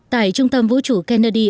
tại trung tâm vũ trụ kennedy